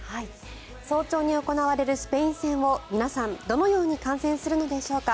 早朝に行われるスペイン戦を皆さんどのように観戦するのでしょうか。